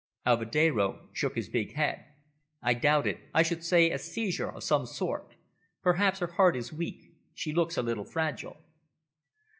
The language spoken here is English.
Alvedero shook his big head. "I doubt it. I should say a seizure of some sort. Perhaps her heart is weak. She looks a little fragile."